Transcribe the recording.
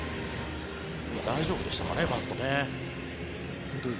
大丈夫でしたかね、バット。